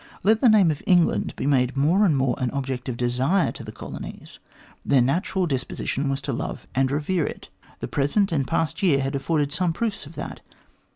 Let the name of England be made more and more an object of desire to the colonies. Their natural disposition was to love and revere it. The present and past year had afforded some proofs of that.